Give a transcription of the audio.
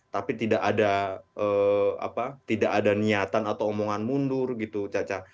tapi tidak ada niatan atau omongan mundur gitu caca